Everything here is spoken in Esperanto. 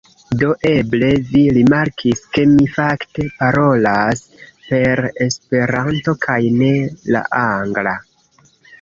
Do eble vi rimarkis, ke mi fakte parolas per Esperanto kaj ne la angla.